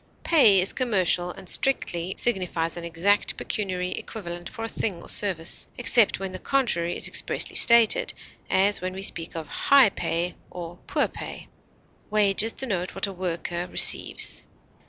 Pay is commercial and strictly signifies an exact pecuniary equivalent for a thing or service, except when the contrary is expressly stated, as when we speak of "high pay" or "poor pay." Wages denotes what a worker receives.